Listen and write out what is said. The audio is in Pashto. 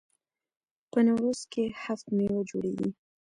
په نوروز کې هفت میوه جوړیږي.